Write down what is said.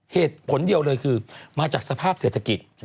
เหตุผลเดียวเลยคือมาจากสภาพเศรษฐกิจ